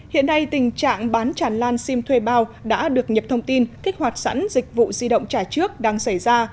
hiện nay tình trạng bán chản lan sim thuê bao đã được nhập thông tin kích hoạt sẵn dịch vụ di động trả trước đang xảy ra